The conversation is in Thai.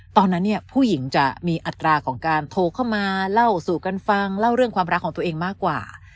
ตอนนั้นเนี่ยผู้หญิงจะมีอัตราของการโทรเข้ามาเล่าสู่กันฟังเล่าเรื่องความรักของตัวเองมากกว่า